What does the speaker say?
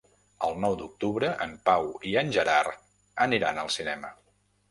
El nou d'octubre en Pau i en Gerard aniran al cinema.